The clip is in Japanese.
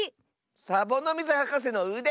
サボノミズはかせのうで！